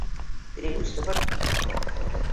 তিনি বুঝতে পারলেনঃ